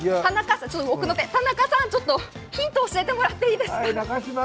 奥の手、田中さん、ヒント、教えてもらっていいですか？